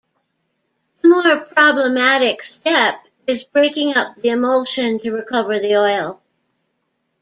The more problematic step is breaking up the emulsion to recover the oil.